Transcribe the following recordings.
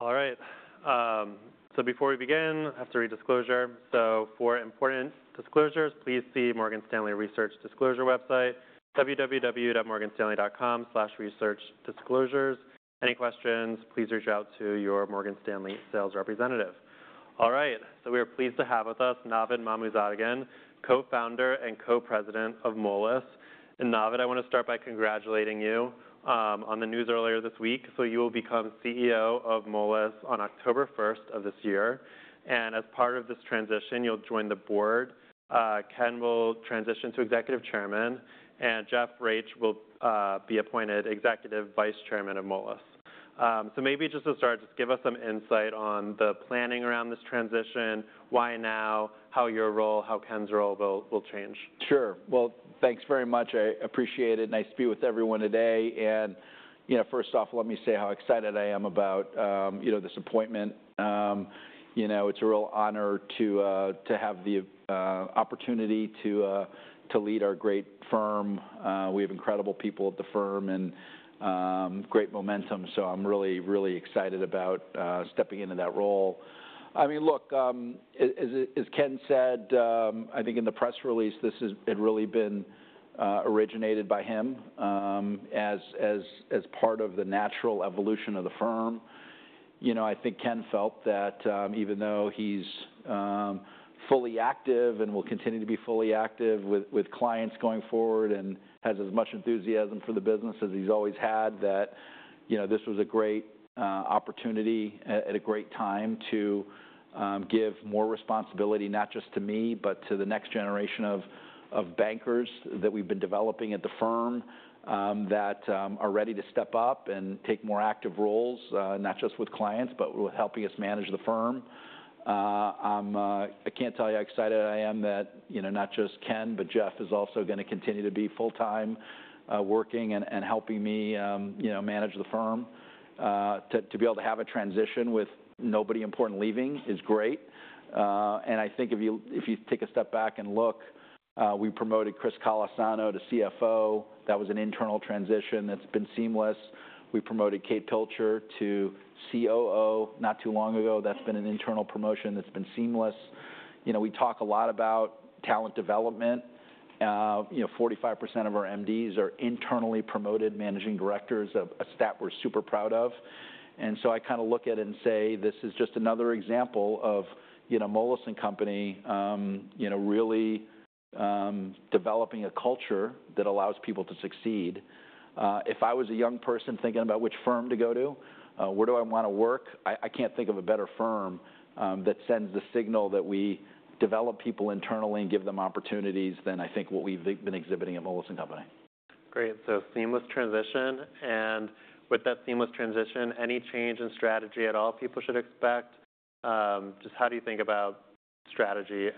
All right. So before we begin, I have to read disclosure. For important disclosures, please see Morgan Stanley Research Disclosure website, www.morganstanley.com/researchdisclosures. Any questions, please reach out to your Morgan Stanley sales representative. All right. We are pleased to have with us Navid Mahmoodzadegan, Co-founder and Co-president of Moelis. Navid, I want to start by congratulating you on the news earlier this week. You will become CEO of Moelis on October 1st of this year. As part of this transition, you'll join the board. Ken will transition to Executive Chairman, and Jeff Reich will be appointed Executive Vice Chairman of Moelis. Maybe just to start, just give us some insight on the planning around this transition, why now, how your role, how Ken's role will change. Sure. Thank you very much. I appreciate it. Nice to be with everyone today. You know, first off, let me say how excited I am about, you know, this appointment. You know, it's a real honor to have the opportunity to lead our great firm. We have incredible people at the firm and great momentum. I am really, really excited about stepping into that role. I mean, look, as Ken said, I think in the press release, this has really been originated by him as part of the natural evolution of the firm. You know, I think Ken felt that, even though he's fully active and will continue to be fully active with clients going forward and has as much enthusiasm for the business as he's always had, that, you know, this was a great opportunity at a great time to give more responsibility, not just to me, but to the next generation of bankers that we've been developing at the firm, that are ready to step up and take more active roles, not just with clients, but with helping us manage the firm. I'm, I can't tell you how excited I am that, you know, not just Ken, but Jeff is also going to continue to be full-time, working and helping me, you know, manage the firm. To be able to have a transition with nobody important leaving is great. and I think if you, if you take a step back and look, we promoted Chris Callesano to CFO. That was an internal transition that's been seamless. We promoted Kate Pilcher to COO not too long ago. That's been an internal promotion that's been seamless. You know, we talk a lot about talent development. You know, 45% of our MDs are internally promoted Managing Directors, a stat we're super proud of. And so I kind of look at it and say, this is just another example of, you know, Moelis & Company, you know, really, developing a culture that allows people to succeed. If I was a young person thinking about which firm to go to, where do I want to work, I can't think of a better firm that sends the signal that we develop people internally and give them opportunities than I think what we've been exhibiting at Moelis & Company. Great. Seamless transition. With that seamless transition, any change in strategy at all people should expect? Just how do you think about strategy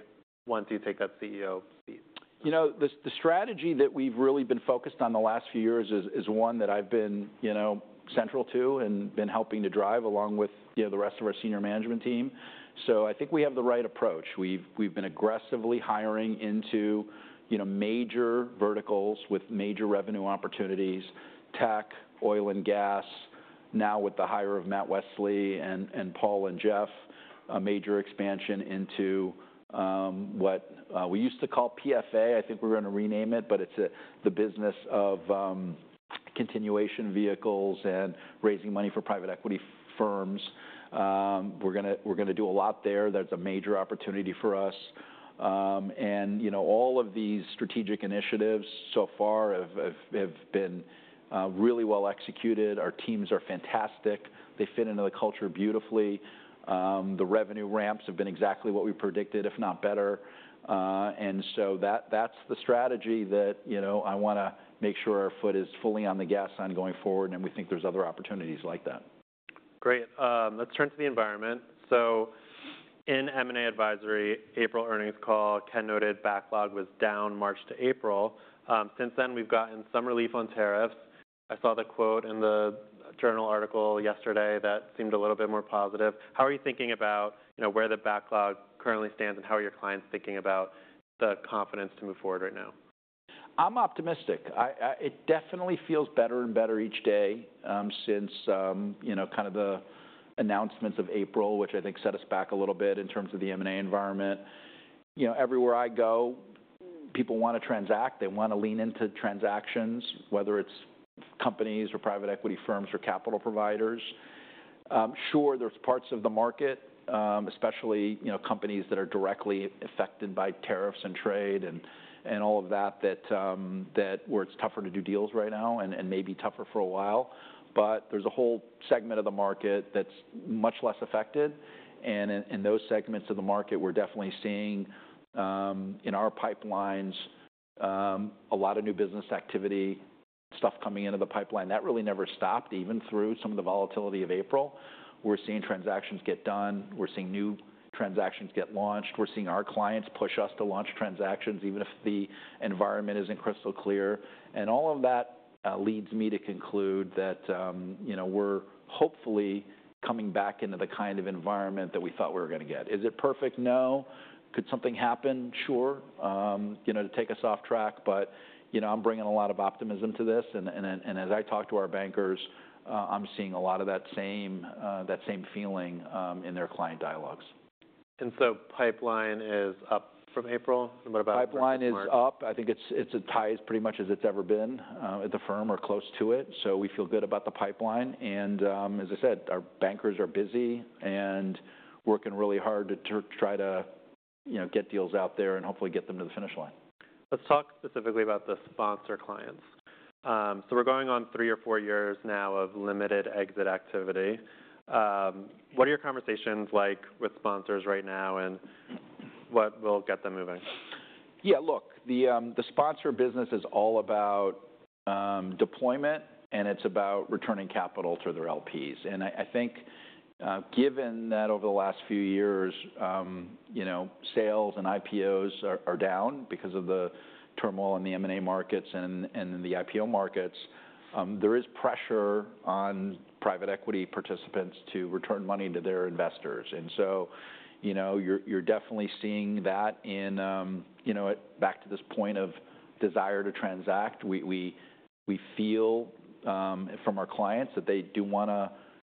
once you take that CEO seat? You know, the strategy that we've really been focused on the last few years is one that I've been, you know, central to and been helping to drive along with, you know, the rest of our senior management team. I think we have the right approach. We've been aggressively hiring into major verticals with major revenue opportunities, tech, oil and gas. Now with the hire of Matt Wesley and Paul and Jeff, a major expansion into, what we used to call PFA. I think we're going to rename it, but it's the business of continuation vehicles and raising money for private equity firms. We're going to do a lot there. That's a major opportunity for us. You know, all of these strategic initiatives so far have been really well executed. Our teams are fantastic. They fit into the culture beautifully. The revenue ramps have been exactly what we predicted, if not better. That is the strategy that, you know, I want to make sure our foot is fully on the gas sign going forward. We think there are other opportunities like that. Great. Let's turn to the environment. In M&A advisory, April earnings call, Ken noted backlog was down March to April. Since then, we've gotten some relief on tariffs. I saw the quote in the journal article yesterday that seemed a little bit more positive. How are you thinking about, you know, where the backlog currently stands and how are your clients thinking about the confidence to move forward right now? I'm optimistic. It definitely feels better and better each day, since, you know, kind of the announcements of April, which I think set us back a little bit in terms of the M&A environment. You know, everywhere I go, people want to transact. They want to lean into transactions, whether it's companies or private equity firms or capital providers. Sure, there's parts of the market, especially, you know, companies that are directly affected by tariffs and trade and all of that where it's tougher to do deals right now and maybe tougher for a while. There is a whole segment of the market that's much less affected. In those segments of the market, we're definitely seeing, in our pipelines, a lot of new business activity, stuff coming into the pipeline. That really never stopped even through some of the volatility of April. We're seeing transactions get done. We're seeing new transactions get launched. We're seeing our clients push us to launch transactions, even if the environment isn't crystal clear. All of that leads me to conclude that, you know, we're hopefully coming back into the kind of environment that we thought we were going to get. Is it perfect? No. Could something happen? Sure, you know, to take us off track. But, you know, I'm bringing a lot of optimism to this. And as I talk to our bankers, I'm seeing a lot of that same, that same feeling in their client dialogues. Pipeline is up from April? What about that? Pipeline is up. I think it's as tight pretty much as it's ever been, at the firm or close to it. We feel good about the pipeline. As I said, our bankers are busy and working really hard to try to, you know, get deals out there and hopefully get them to the finish line. Let's talk specifically about the sponsor clients. So we're going on three or four years now of limited exit activity. What are your conversations like with sponsors right now and what will get them moving? Yeah, look, the sponsor business is all about deployment and it's about returning capital to their LPs. I think, given that over the last few years, you know, sales and IPOs are down because of the turmoil in the M&A markets and in the IPO markets, there is pressure on private equity participants to return money to their investors. You know, you're definitely seeing that in, you know, back to this point of desire to transact. We feel, from our clients, that they do want to,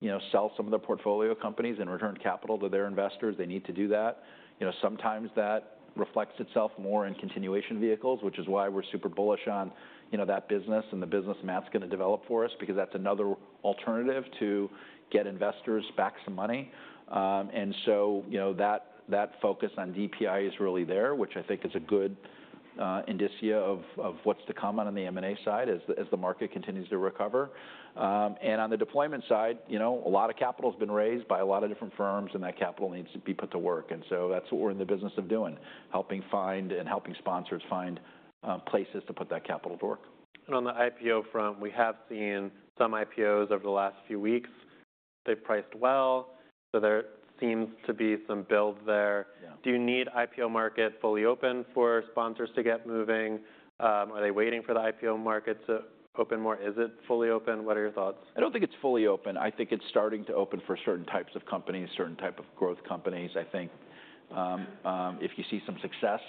you know, sell some of their portfolio companies and return capital to their investors. They need to do that. You know, sometimes that reflects itself more in continuation vehicles, which is why we're super bullish on, you know, that business and the business Matt's going to develop for us because that's another alternative to get investors back some money. And so, you know, that focus on DPI is really there, which I think is a good indicia of what's to come on the M&A side as the market continues to recover. On the deployment side, you know, a lot of capital has been raised by a lot of different firms and that capital needs to be put to work. And so that's what we're in the business of doing, helping find and helping sponsors find places to put that capital to work. On the IPO front, we have seen some IPOs over the last few weeks. They have priced well. There seems to be some build there. Do you need the IPO market fully open for sponsors to get moving? Are they waiting for the IPO market to open more? Is it fully open? What are your thoughts? I don't think it's fully open. I think it's starting to open for certain types of companies, certain type of growth companies. I think, if you see some success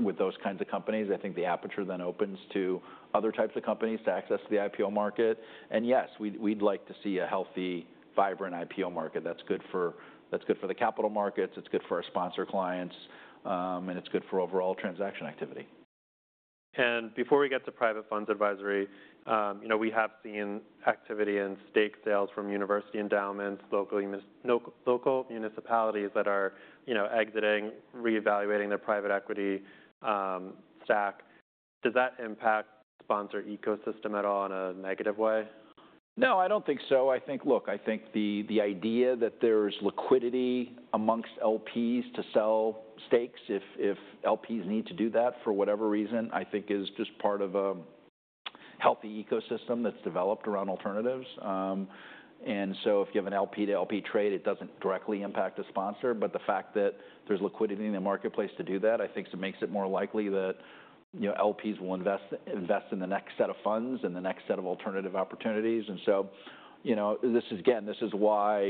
with those kinds of companies, I think the aperture then opens to other types of companies to access the IPO market. Yes, we'd like to see a healthy, vibrant IPO market that's good for, that's good for the capital markets. It's good for our sponsor clients, and it's good for overall transaction activity. Before we get to private funds advisory, you know, we have seen activity in stake sales from university endowments, local municipalities that are, you know, exiting, reevaluating their private equity stack. Does that impact sponsor ecosystem at all in a negative way? No, I don't think so. I think, look, I think the idea that there's liquidity amongst LPs to sell stakes, if LPs need to do that for whatever reason, I think is just part of a healthy ecosystem that's developed around alternatives. And if you have an LP to LP trade, it doesn't directly impact a sponsor. The fact that there's liquidity in the marketplace to do that, I think makes it more likely that, you know, LPs will invest, invest in the next set of funds and the next set of alternative opportunities. You know, this is, again, this is why,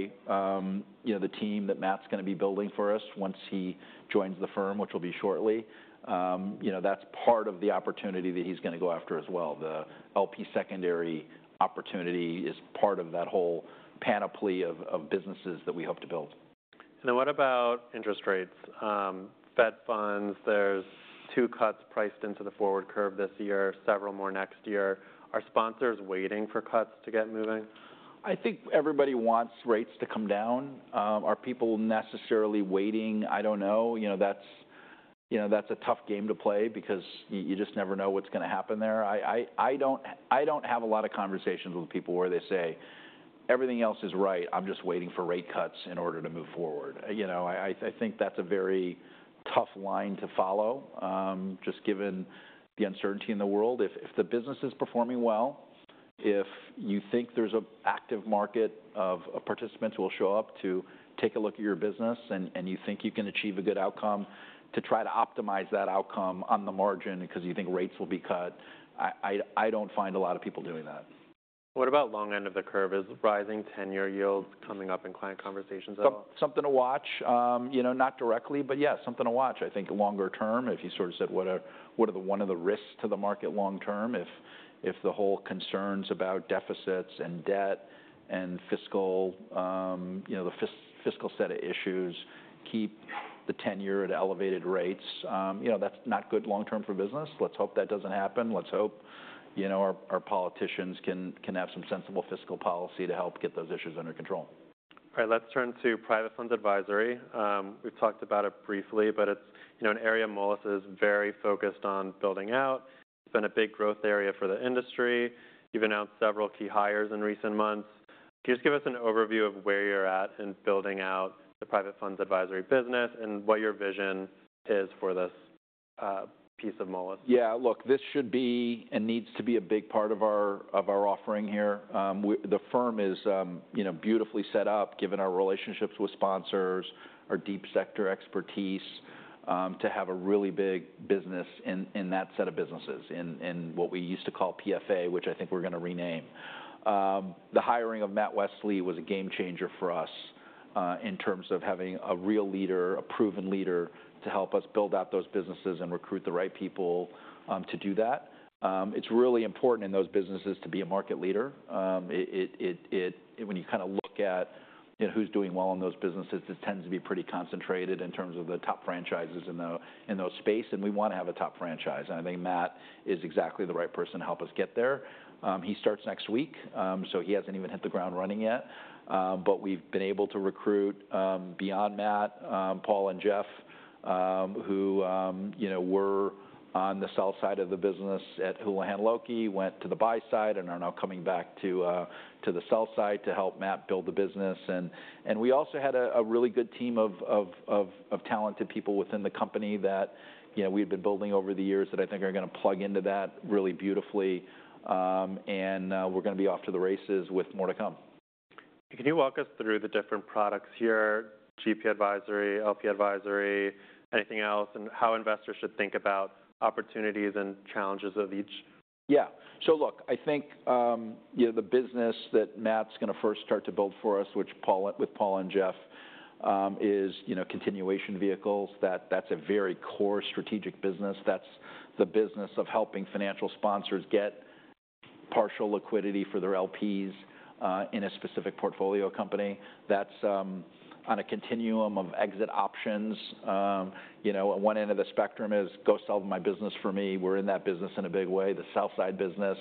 you know, the team that Matt's going to be building for us once he joins the firm, which will be shortly, you know, that's part of the opportunity that he's going to go after as well. The LP secondary opportunity is part of that whole panoply of businesses that we hope to build. What about interest rates? Fed funds, there's two cuts priced into the forward curve this year, several more next year. Are sponsors waiting for cuts to get moving? I think everybody wants rates to come down. Are people necessarily waiting? I don't know. You know, that's a tough game to play because you just never know what's going to happen there. I don't have a lot of conversations with people where they say everything else is right, I'm just waiting for rate cuts in order to move forward. I think that's a very tough line to follow, just given the uncertainty in the world. If the business is performing well, if you think there's an active market of participants who will show up to take a look at your business and you think you can achieve a good outcome to try to optimize that outcome on the margin because you think rates will be cut, I don't find a lot of people doing that. What about long end of the curve? Is rising 10 year yields coming up in client conversations at all? Something to watch. You know, not directly, but yeah, something to watch. I think longer term, if you sort of said what are, what are the, one of the risks to the market long term, if the whole concerns about deficits and debt and fiscal, you know, the fiscal set of issues keep the 10 year at elevated rates, you know, that's not good long term for business. Let's hope that doesn't happen. Let's hope, you know, our politicians can have some sensible fiscal policy to help get those issues under control. All right. Let's turn to private funds advisory. We've talked about it briefly, but it's, you know, an area Moelis is very focused on building out. It's been a big growth area for the industry. You've announced several key hires in recent months. Can you just give us an overview of where you're at in building out the private funds advisory business and what your vision is for this piece of Moelis? Yeah, look, this should be and needs to be a big part of our offering here. The firm is, you know, beautifully set up given our relationships with sponsors, our deep sector expertise, to have a really big business in that set of businesses, in what we used to call PFA, which I think we're going to rename. The hiring of Matt Wesley was a game changer for us, in terms of having a real leader, a proven leader to help us build out those businesses and recruit the right people to do that. It's really important in those businesses to be a market leader. When you kind of look at, you know, who's doing well in those businesses, it tends to be pretty concentrated in terms of the top franchises in those space. We want to have a top franchise. I think Matt is exactly the right person to help us get there. He starts next week, so he has not even hit the ground running yet. We have been able to recruit, beyond Matt, Paul and Jeff, who, you know, were on the sell side of the business at Houlihan Lokey, went to the buy side and are now coming back to the sell side to help Matt build the business. We also had a really good team of talented people within the company that, you know, we had been building over the years that I think are going to plug into that really beautifully. We are going to be off to the races with more to come. Can you walk us through the different products here, GP advisory, LP advisory, anything else, and how investors should think about opportunities and challenges of each? Yeah. Look, I think, you know, the business that Matt's going to first start to build for us, with Paul and Jeff, is, you know, continuation vehicles. That's a very core strategic business. That's the business of helping financial sponsors get partial liquidity for their LPs, in a specific portfolio company. That's, on a continuum of exit options. You know, one end of the spectrum is go sell my business for me. We're in that business in a big way. The sell side business,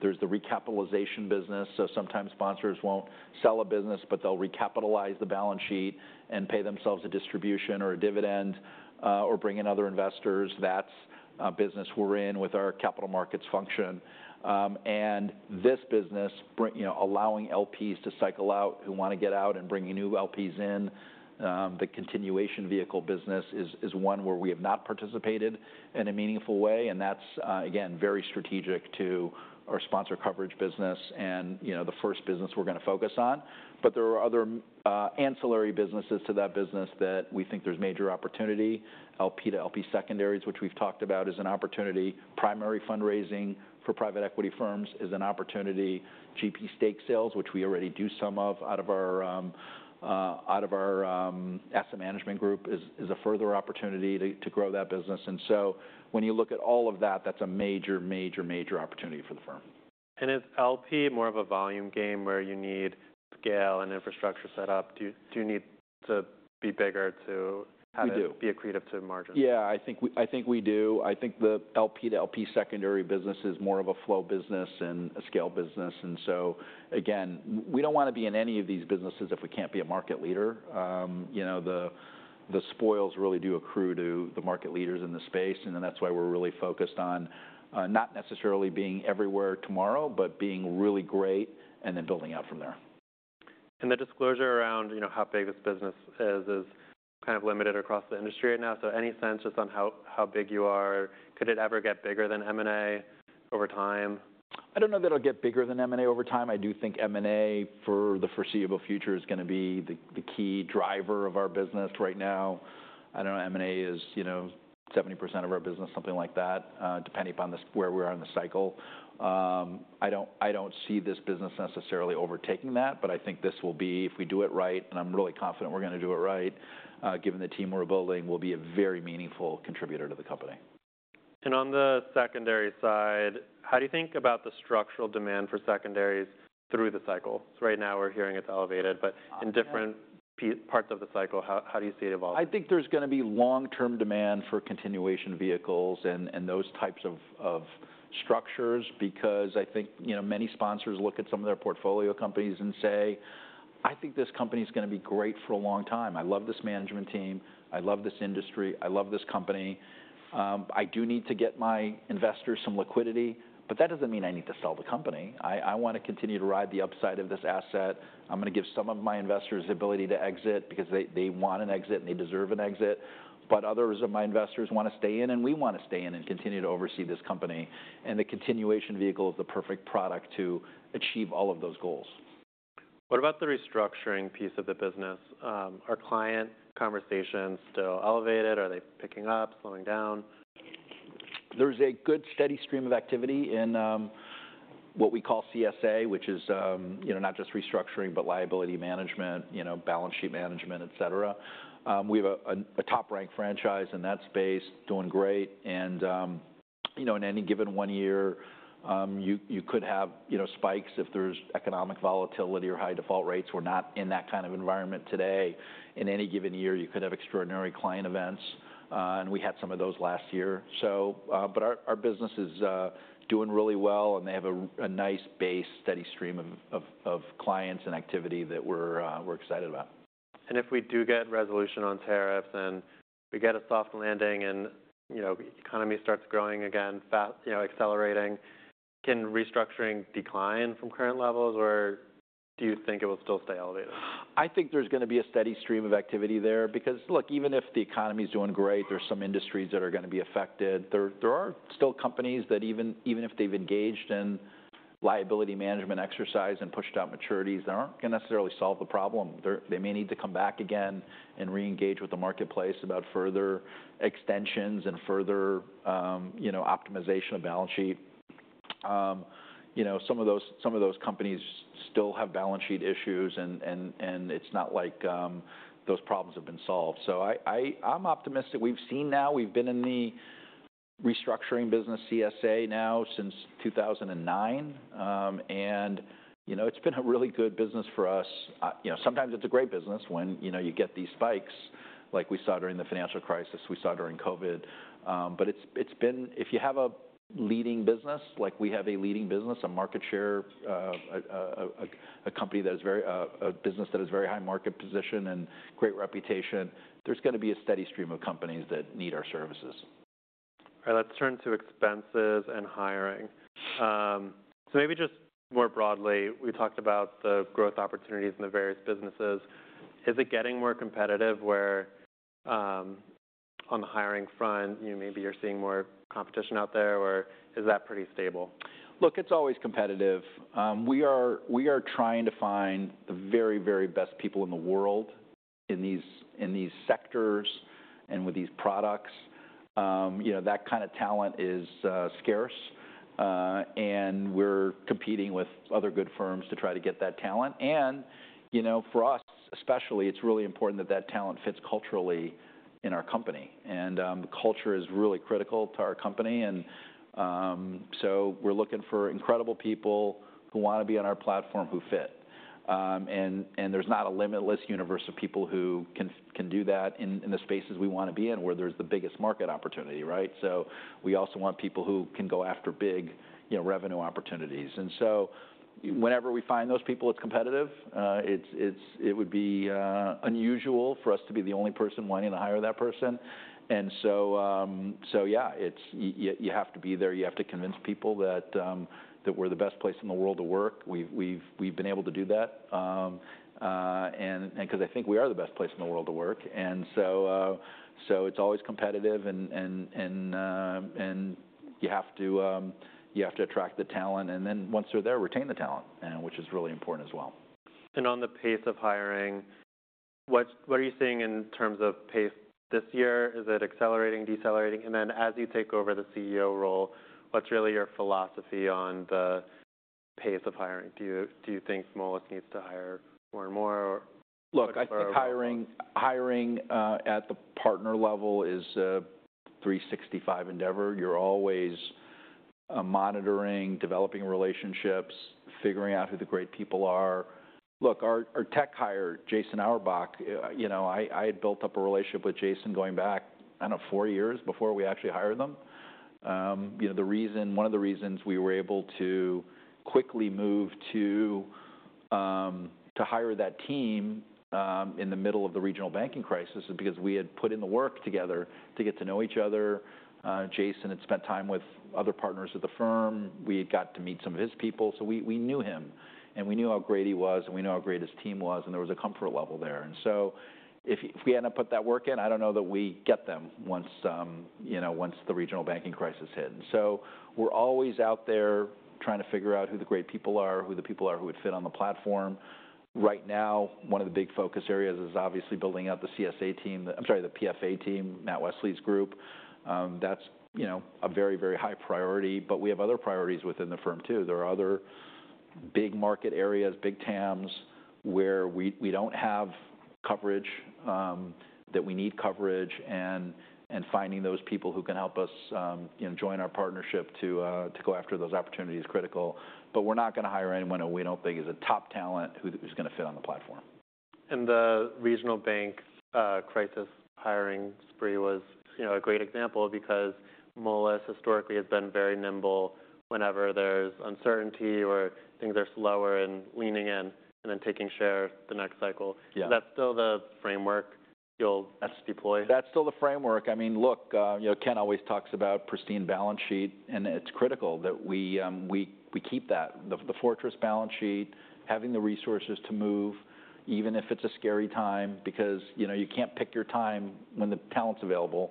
there's the recapitalization business. Sometimes sponsors won't sell a business, but they'll recapitalize the balance sheet and pay themselves a distribution or a dividend, or bring in other investors. That's a business we're in with our capital markets function. and this business, you know, allowing LPs to cycle out who want to get out and bringing new LPs in, the continuation vehicle business is one where we have not participated in a meaningful way. That's, again, very strategic to our sponsor coverage business and, you know, the first business we're going to focus on. There are other, ancillary businesses to that business that we think there's major opportunity. LP to LP secondaries, which we've talked about, is an opportunity. Primary fundraising for private equity firms is an opportunity. GP stake sales, which we already do some of out of our asset management group, is a further opportunity to grow that business. When you look at all of that, that's a major, major, major opportunity for the firm. Is LP more of a volume game where you need scale and infrastructure set up? Do you need to be bigger to have it be accretive to margin? Yeah, I think we do. I think the LP to LP secondary business is more of a flow business and a scale business. You know, the spoils really do accrue to the market leaders in the space. That is why we're really focused on not necessarily being everywhere tomorrow, but being really great and then building out from there. The disclosure around, you know, how big this business is, is kind of limited across the industry right now. Any sense just on how big you are? Could it ever get bigger than M&A over time? I don't know that it'll get bigger than M&A over time. I do think M&A for the foreseeable future is going to be the key driver of our business right now. I don't know. M&A is, you know, 70% of our business, something like that, depending upon where we are in the cycle. I don't see this business necessarily overtaking that, but I think this will be, if we do it right, and I'm really confident we're going to do it right, given the team we're building, will be a very meaningful contributor to the company. On the secondary side, how do you think about the structural demand for secondaries through the cycle? Right now we're hearing it's elevated, but in different parts of the cycle, how do you see it evolving? I think there's going to be long-term demand for continuation vehicles and those types of structures because I think, you know, many sponsors look at some of their portfolio companies and say, I think this company is going to be great for a long time. I love this management team. I love this industry. I love this company. I do need to get my investors some liquidity, but that doesn't mean I need to sell the company. I want to continue to ride the upside of this asset. I'm going to give some of my investors the ability to exit because they want an exit and they deserve an exit. Others of my investors want to stay in and we want to stay in and continue to oversee this company. The continuation vehicle is the perfect product to achieve all of those goals. What about the restructuring piece of the business? Are client conversations still elevated? Are they picking up, slowing down? There's a good steady stream of activity in, what we call CSA, which is, you know, not just restructuring, but liability management, you know, balance sheet management, et cetera. We have a top-ranked franchise in that space doing great. You know, in any given one year, you could have spikes if there's economic volatility or high default rates. We're not in that kind of environment today. In any given year, you could have extraordinary client events. We had some of those last year. Our business is doing really well and they have a nice base, steady stream of clients and activity that we're excited about. If we do get resolution on tariffs and we get a soft landing and, you know, the economy starts growing again, you know, accelerating, can restructuring decline from current levels or do you think it will still stay elevated? I think there's going to be a steady stream of activity there because look, even if the economy is doing great, there's some industries that are going to be affected. There are still companies that, even if they've engaged in liability management exercise and pushed out maturities, they aren't going to necessarily solve the problem. They may need to come back again and re-engage with the marketplace about further extensions and further, you know, optimization of balance sheet. You know, some of those companies still have balance sheet issues and it's not like those problems have been solved. I am optimistic. We've seen now, we've been in the restructuring business, CSA, now since 2009, and, you know, it's been a really good business for us. You know, sometimes it's a great business when, you know, you get these spikes like we saw during the financial crisis, we saw during COVID. It's been, if you have a leading business, like we have a leading business, a market share, a company that is very, a business that is very high market position and great reputation, there's going to be a steady stream of companies that need our services. All right. Let's turn to expenses and hiring. So maybe just more broadly, we talked about the growth opportunities in the various businesses. Is it getting more competitive where, on the hiring front, you know, maybe you're seeing more competition out there or is that pretty stable? Look, it's always competitive. We are trying to find the very, very best people in the world in these sectors and with these products. You know, that kind of talent is scarce. We are competing with other good firms to try to get that talent. You know, for us especially, it's really important that that talent fits culturally in our company. Culture is really critical to our company. We are looking for incredible people who want to be on our platform who fit. There is not a limitless universe of people who can do that in the spaces we want to be in where there is the biggest market opportunity, right? We also want people who can go after big revenue opportunities. Whenever we find those people, it's competitive. It would be unusual for us to be the only person wanting to hire that person. You have to be there. You have to convince people that we are the best place in the world to work. We have been able to do that, and because I think we are the best place in the world to work. It is always competitive, and you have to attract the talent and then once they are there, retain the talent, which is really important as well. On the pace of hiring, what are you seeing in terms of pace this year? Is it accelerating, decelerating? As you take over the CEO role, what's really your philosophy on the pace of hiring? Do you think Moelis needs to hire more and more or? Look, I think hiring at the partner level is a 365 endeavor. You're always monitoring, developing relationships, figuring out who the great people are. Look, our tech hire, Jason Auerbach, you know, I had built up a relationship with Jason going back, I don't know, four years before we actually hired them. You know, the reason, one of the reasons we were able to quickly move to hire that team, in the middle of the regional banking crisis is because we had put in the work together to get to know each other. Jason had spent time with other partners at the firm. We had got to meet some of his people. We knew him and we knew how great he was and we knew how great his team was. There was a comfort level there. If we had not put that work in, I do not know that we get them once, you know, once the regional banking crisis hit. We are always out there trying to figure out who the great people are, who the people are who would fit on the platform. Right now, one of the big focus areas is obviously building out the CSA team, the, I am sorry, the PFA team, Matt Wesley's group. That is, you know, a very, very high priority, but we have other priorities within the firm too. There are other big market areas, big TAMs where we do not have coverage, that we need coverage, and finding those people who can help us, you know, join our partnership to go after those opportunities is critical. We're not going to hire anyone who we don't think is a top talent who is going to fit on the platform. The regional bank crisis hiring spree was, you know, a great example because Moelis historically has been very nimble whenever there's uncertainty or things are slower and leaning in and then taking share the next cycle. Is that still the framework you'll deploy? That's still the framework. I mean, look, you know, Ken always talks about pristine balance sheet and it's critical that we keep that, the fortress balance sheet, having the resources to move, even if it's a scary time because, you know, you can't pick your time when the talent's available.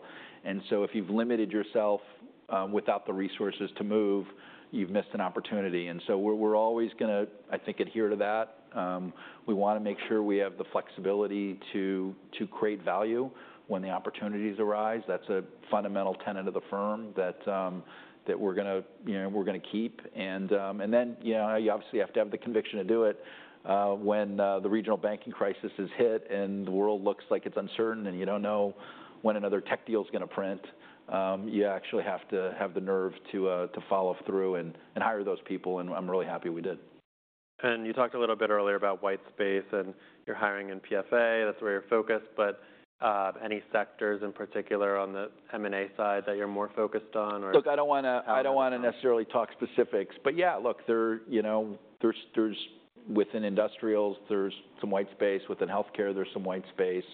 If you've limited yourself, without the resources to move, you've missed an opportunity. We're always going to, I think, adhere to that. We want to make sure we have the flexibility to create value when the opportunities arise. That's a fundamental tenet of the firm that we're going to keep. And then, you know, you obviously have to have the conviction to do it, when the regional banking crisis is hit and the world looks like it's uncertain and you don't know when another tech deal is going to print, you actually have to have the nerve to follow through and hire those people. I'm really happy we did. You talked a little bit earlier about white space and you're hiring in PFA. That's where you're focused. Any sectors in particular on the M&A side that you're more focused on or? Look, I don't want to, I don't want to necessarily talk specifics, but yeah, look, there are, you know, there's, there's within industrials, there's some white space. Within healthcare, there's some white space.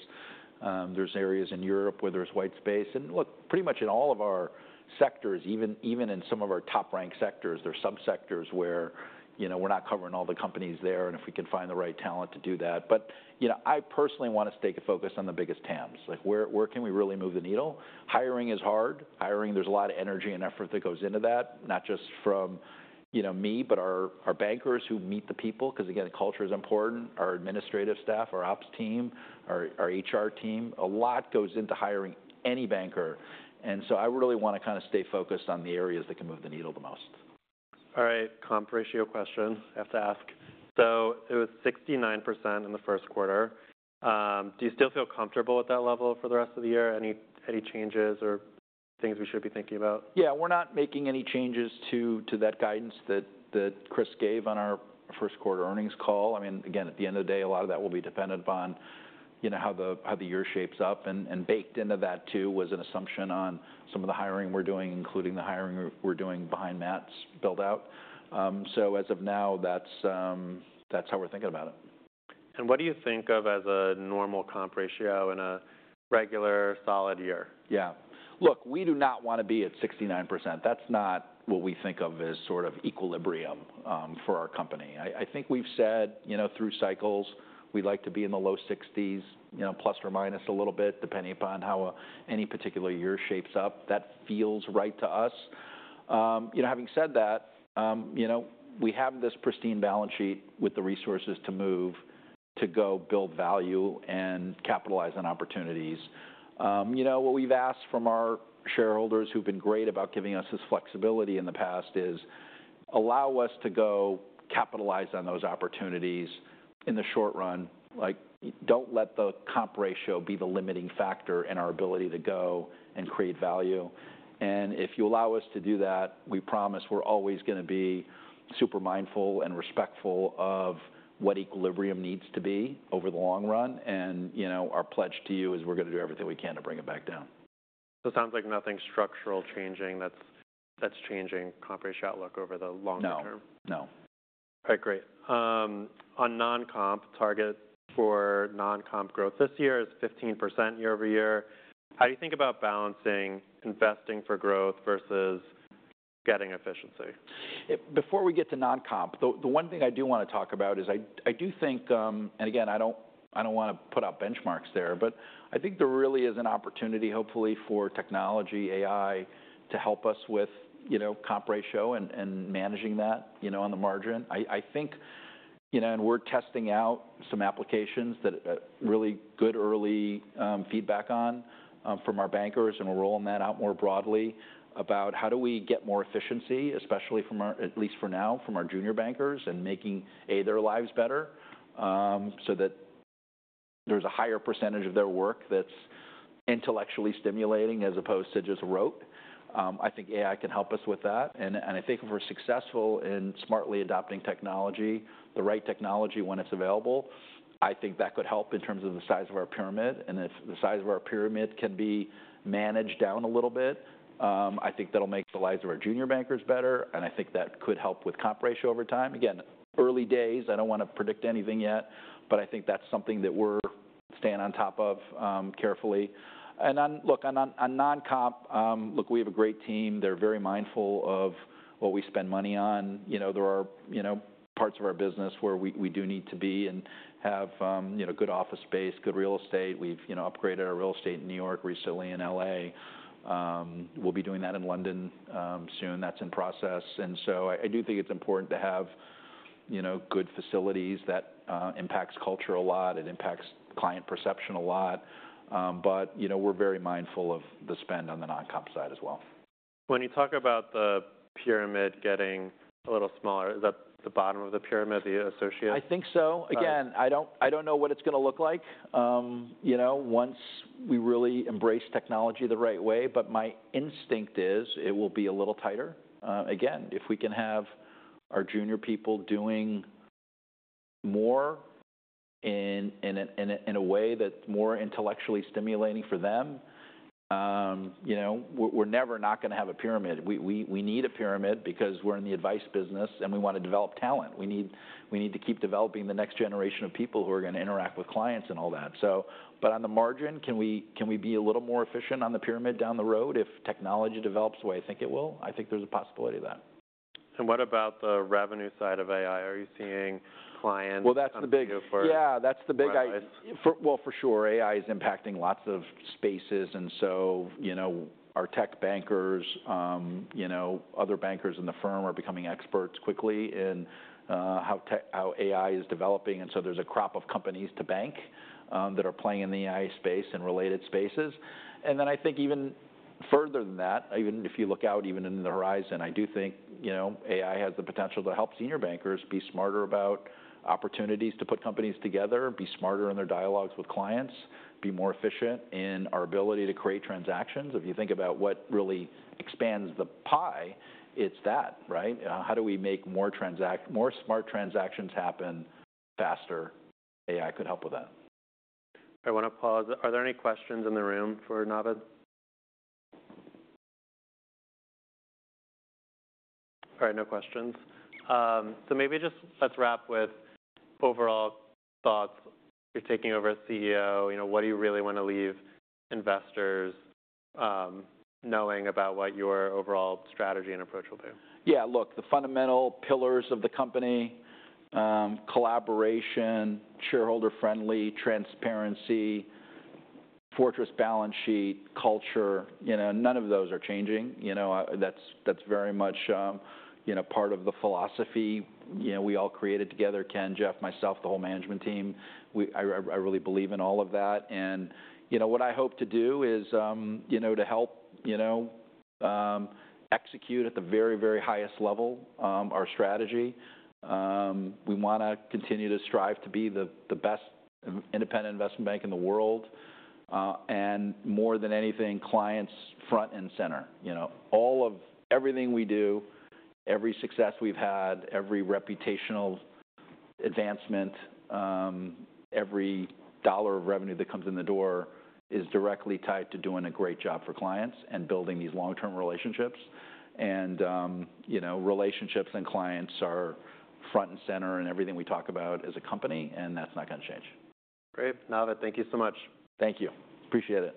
There's areas in Europe where there's white space. Look, pretty much in all of our sectors, even in some of our top-ranked sectors, there's some sectors where, you know, we're not covering all the companies there and if we can find the right talent to do that. You know, I personally want to stake a focus on the biggest TAMs. Like where, where can we really move the needle? Hiring is hard. Hiring, there's a lot of energy and effort that goes into that, not just from, you know, me, but our bankers who meet the people because again, culture is important. Our administrative staff, our ops team, our HR team, a lot goes into hiring any banker. I really want to kind of stay focused on the areas that can move the needle the most. All right. Comp ratio question. I have to ask. So it was 69% in the first quarter. Do you still feel comfortable at that level for the rest of the year? Any, any changes or things we should be thinking about? Yeah, we're not making any changes to that guidance that Chris gave on our first quarter earnings call. I mean, again, at the end of the day, a lot of that will be dependent upon, you know, how the year shapes up. And baked into that too was an assumption on some of the hiring we're doing, including the hiring we're doing behind Matt's buildout. As of now, that's how we're thinking about it. What do you think of as a normal comp ratio in a regular solid year? Yeah. Look, we do not want to be at 69%. That's not what we think of as sort of equilibrium for our company. I think we've said, you know, through cycles, we'd like to be in the low 60s, you know, plus or minus a little bit depending upon how any particular year shapes up. That feels right to us. You know, having said that, you know, we have this pristine balance sheet with the resources to move, to go build value and capitalize on opportunities. You know, what we've asked from our shareholders who've been great about giving us this flexibility in the past is allow us to go capitalize on those opportunities in the short run. Like, don't let the comp ratio be the limiting factor in our ability to go and create value. If you allow us to do that, we promise we're always going to be super mindful and respectful of what equilibrium needs to be over the long run. You know, our pledge to you is we're going to do everything we can to bring it back down. It sounds like nothing structural changing that's changing comp ratio outlook over the longer term? No, no. All right. Great. On non-comp target for non-comp growth this year is 15% year-over-year. How do you think about balancing investing for growth versus getting efficiency? Before we get to non-comp, the one thing I do want to talk about is I do think, and again, I do not want to put out benchmarks there, but I think there really is an opportunity hopefully for technology, AI to help us with, you know, comp ratio and managing that, you know, on the margin. I think, you know, and we are testing out some applications that really good early feedback on from our bankers, and we are rolling that out more broadly about how do we get more efficiency, especially from our, at least for now, from our junior bankers and making A, their lives better, so that there is a higher percentage of their work that is intellectually stimulating as opposed to just rote. I think AI can help us with that. I think if we're successful in smartly adopting technology, the right technology when it's available, I think that could help in terms of the size of our pyramid. If the size of our pyramid can be managed down a little bit, I think that'll make the lives of our junior bankers better. I think that could help with comp ratio over time. Again, early days, I don't want to predict anything yet, but I think that's something that we're staying on top of carefully. On non-comp, we have a great team. They're very mindful of what we spend money on. You know, there are parts of our business where we do need to be and have good office space, good real estate. We've upgraded our real estate in New York recently in L.A. We'll be doing that in London, soon. That's in process. I do think it's important to have, you know, good facilities that impacts culture a lot. It impacts client perception a lot. You know, we're very mindful of the spend on the non-comp side as well. When you talk about the pyramid getting a little smaller, is that the bottom of the pyramid, the associate? I think so. Again, I don't know what it's going to look like, you know, once we really embrace technology the right way. But my instinct is it will be a little tighter. Again, if we can have our junior people doing more in a way that's more intellectually stimulating for them, you know, we're never not going to have a pyramid. We need a pyramid because we're in the advice business and we want to develop talent. We need to keep developing the next generation of people who are going to interact with clients and all that. On the margin, can we be a little more efficient on the pyramid down the road if technology develops the way I think it will? I think there's a possibility of that. What about the revenue side of AI? Are you seeing clients? That's the big, yeah, that's the big AI for, well, for sure. AI is impacting lots of spaces. And so, you know, our tech bankers, you know, other bankers in the firm are becoming experts quickly in how tech, how AI is developing. And so there's a crop of companies to bank that are playing in the AI space and related spaces. And then I think even further than that, even if you look out even in the horizon, I do think, you know, AI has the potential to help senior bankers be smarter about opportunities to put companies together, be smarter in their dialogues with clients, be more efficient in our ability to create transactions. If you think about what really expands the pie, it's that, right? How do we make more transac, more smart transactions happen faster? AI could help with that. I want to pause. Are there any questions in the room for Navid? All right. No questions. So maybe just let's wrap with overall thoughts. You're taking over as CEO, you know, what do you really want to leave investors, knowing about what your overall strategy and approach will be? Yeah. Look, the fundamental pillars of the company, collaboration, shareholder friendly, transparency, fortress balance sheet, culture, you know, none of those are changing. You know, that's very much, you know, part of the philosophy, you know, we all created together, Ken, Jeff, myself, the whole management team. I really believe in all of that. And, you know, what I hope to do is, you know, to help, you know, execute at the very, very highest level, our strategy. We want to continue to strive to be the best independent investment bank in the world. And more than anything, clients front and center, you know, all of everything we do, every success we've had, every reputational advancement, every dollar of revenue that comes in the door is directly tied to doing a great job for clients and building these long-term relationships. You know, relationships and clients are front and center in everything we talk about as a company. That is not going to change. Great. Navid, thank you so much. Thank you. Appreciate it.